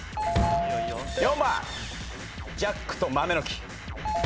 ４番ジャックとまめの木。